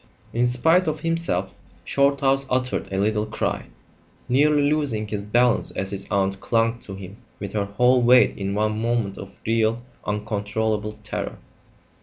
In spite of himself, Shorthouse uttered a little cry, nearly losing his balance as his aunt clung to him with her whole weight in one moment of real, uncontrollable terror.